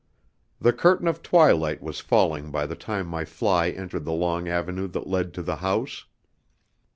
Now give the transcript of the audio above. The curtain of twilight was falling by the time my fly entered the long avenue that led to the house.